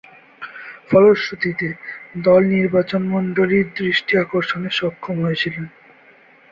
ফলশ্রুতিতে, দল নির্বাচকমণ্ডলীর দৃষ্টি আকর্ষণে সক্ষম হয়েছিলেন।